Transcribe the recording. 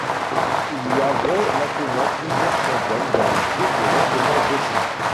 Il y avait maintenant plusieurs chandelles dans le groupe lentement grossi.